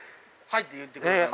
「はい」って言ってくれた。